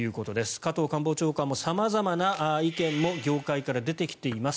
加藤官房長官も、様々な意見も業界から出てきています。